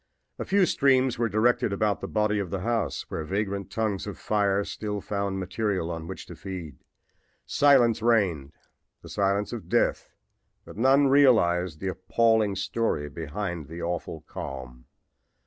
A few streams were directed about the body of the house, where vagrant tongues of flame still found material on which to feed. Silence reigned the silence of death, but none realized the appalling story behind the awful calm.